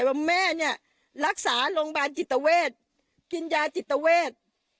ว่าแม่เนี่ยลักษาโรงกลางจิตเวศจิตเวศ